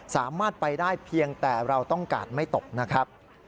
สามารถไปได้เพียงแต่เราต้องการไม่ตกนะครับ